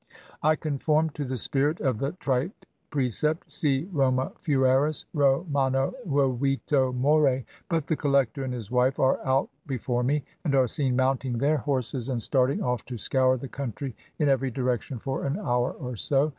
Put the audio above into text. I conform to the spirit of the trite precept, Si Roma fueris, Romano vivito more; but the collector and his wife are out before me, and are seen mounting their horses 230 CAMP LIFE IN INDIA and starting off to scour the country in every direction for an hour or so.